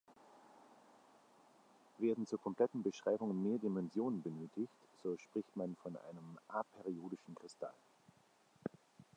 Werden zur kompletten Beschreibung mehr Dimensionen benötigt, so spricht man von einem "aperiodischen Kristall".